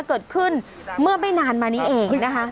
เกิดขึ้นเมื่อไม่นานมานี้เองนะคะ